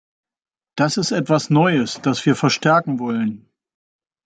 Das ist etwas Neues, das wir verstärken wollen.